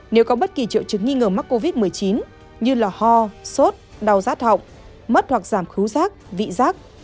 nếu có bất kỳ triệu chứng nghi ngờ mắc covid một mươi chín như là ho sốt đau giác thọng mất hoặc giảm khứ giác vị giác